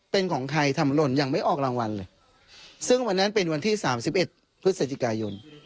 เป็นของใครทำหล่นยังไม่ออกรางวัลเลย